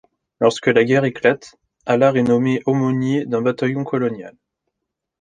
Lorsque la guerre éclate, Allard est nommé aumônier d'un bataillon colonial.